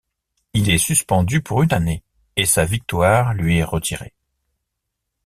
Il est suspendu pour une année et sa victoire lui est retiré.